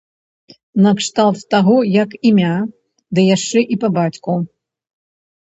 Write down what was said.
Накшталт таго, як імя, ды яшчэ і па бацьку.